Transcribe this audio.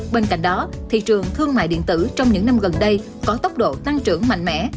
bên cạnh đó thị trường thương mại điện tử trong những năm gần đây có tốc độ tăng trưởng mạnh mẽ